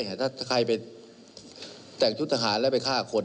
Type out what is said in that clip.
ถ้าใครไปแต่งชุดทหารแล้วไปฆ่าคน